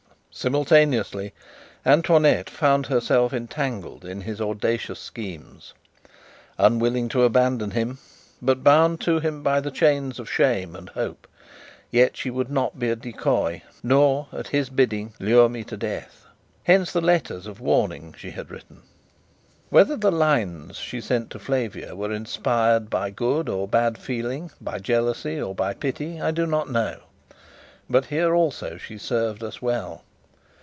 Simultaneously, Antoinette found herself entangled in his audacious schemes. Unwilling to abandon him, bound to him by the chains of shame and hope, yet she would not be a decoy, nor, at his bidding, lure me to death. Hence the letters of warning she had written. Whether the lines she sent to Flavia were inspired by good or bad feeling, by jealousy or by pity, I do not know; but here also she served us well.